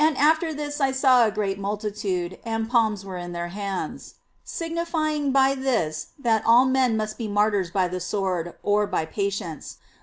"After this I saw a great multi tude .... and palms were in their hands;"J signifying by this that all men must be martyrs by the sword, or by patience.